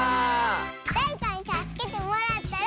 「だれかにたすけてもらったら」